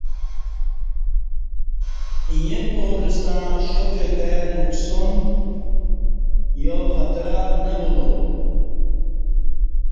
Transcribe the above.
ییں پارہ ستݩع شا کہ کائی نقصان یا خطرہ نہ بولا